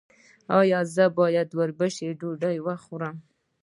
ایا زه باید د وربشو ډوډۍ وخورم؟